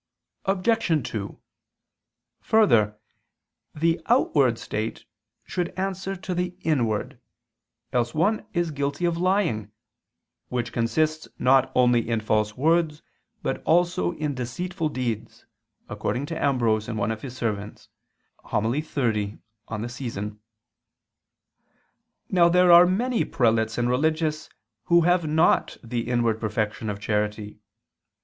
Obj. 2: Further, the outward state should answer to the inward, else one is guilty of lying, "which consists not only in false words, but also in deceitful deeds," according to Ambrose in one of his sermons (xxx de Tempore). Now there are many prelates and religious who have not the inward perfection of charity.